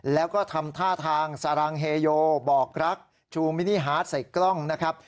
แล้วก็ทำท่าทางสรังเฮโยบอกรักชูมินิฮาร์ดใส่กล้องนะครับ